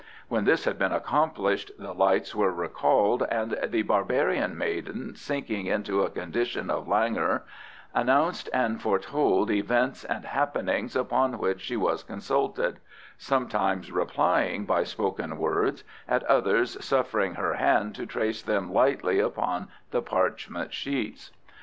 When this had been accomplished, the lights were recalled, and the barbarian maiden, sinking into a condition of languor, announced and foretold events and happenings upon which she was consulted, sometimes replying by spoken words, at others suffering her hand to trace them lightly upon the parchment sheets.